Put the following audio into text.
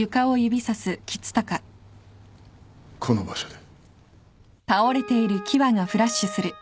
この場所で。